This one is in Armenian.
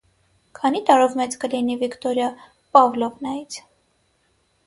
Քանի՞ տարով մեծ կլինի Վիկտորիա Պավլովնայից: